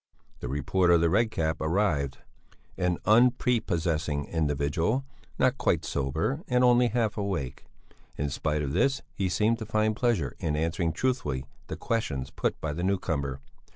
The reporter of the Red Cap arrived, an unprepossessing individual, not quite sober and only half awake. In spite of this he seemed to find pleasure in answering truthfully the questions put by the newcomer.